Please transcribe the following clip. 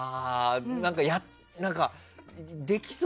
何か、できそう。